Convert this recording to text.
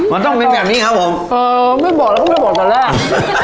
มันต้องเป็นแบบนี้ครับผมเออไม่บอกแล้วก็ไม่บอกตอนแรก